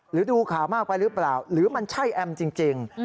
ดูข่าวมากไปหรือเปล่าหรือมันใช่แอมจริง